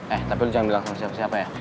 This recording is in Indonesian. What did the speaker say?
eh tapi lu jangan bilang sama siapa siapa ya